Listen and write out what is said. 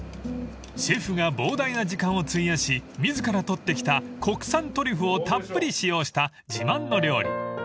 ［シェフが膨大な時間を費やし自らとってきた国産トリュフをたっぷり使用した自慢の料理］